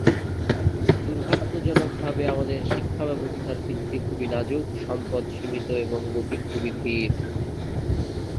দুর্ভাগ্যজনকভাবে আমাদের শিক্ষাব্যবস্থার ভিত্তি খুবই নাজুক, সম্পদ সীমিত এবং গতি খুবই ধীর।